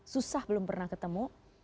susah belum pernah ketemu